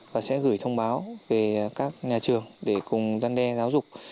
và sẽ gửi thông báo về các nhà trường để cùng gian đe giáo dục